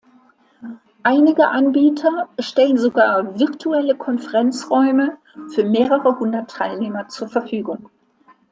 Einige Anbieter stellen sogar virtuelle Konferenzräume für mehrere hundert Teilnehmer zur Verfügung.